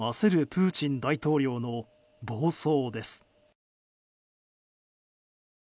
プーチン大統領の暴走です。